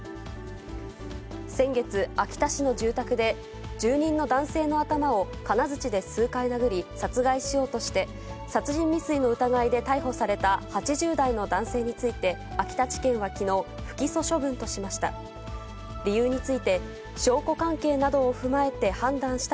先月、秋田市の住宅で住人の男性の頭を金づちで数回殴り、殺害しようとして殺人未遂の疑いで逮捕された８０代の男性について、秋田地検はきのう、不起訴処分としました。